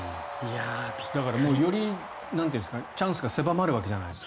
よりチャンスが狭まるわけじゃないですか。